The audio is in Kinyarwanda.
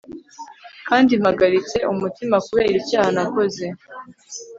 kandi mpagaritse umutima kubera icyaha nakoze